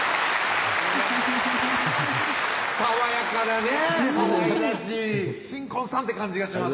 爽やかなねかわいらしい新婚さんって感じがします